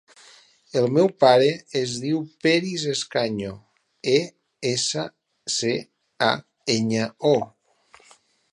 El meu pare es diu Peris Escaño: e, essa, ce, a, enya, o.